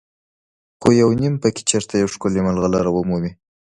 خو یو نیم پکې چېرته یوه ښکلې مرغلره ومومي.